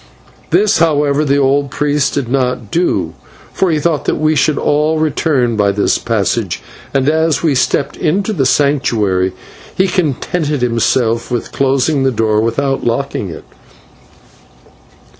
This, however, the old priest did not do, for he thought that we should all return by this passage, and as we stepped into the Sanctuary he contented himself with closing the door without locking it.